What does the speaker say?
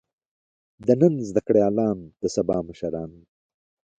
د نن زده کړيالان د سبا مشران.